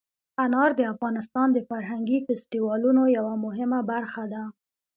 انار د افغانستان د فرهنګي فستیوالونو یوه مهمه برخه ده.